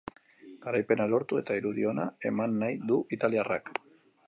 Garaipena lortu eta irudi ona eman nahi du italiarrak.